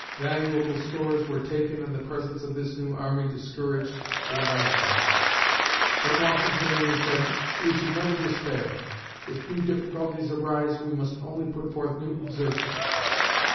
Valuable stores were taken and the presence of this new army discouraged the Americans. But Washington only said, "We should never despair. If new difficulties arise, we must only put forth new exertions."